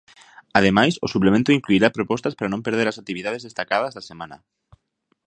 Ademais, o suplemento incluirá propostas para non perder as actividades destacadas da semana.